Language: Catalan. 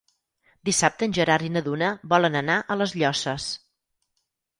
Dissabte en Gerard i na Duna volen anar a les Llosses.